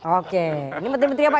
oke ini menteri menteri apa